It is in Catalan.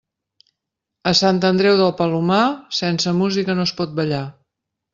A Sant Andreu del Palomar, sense música no es pot ballar.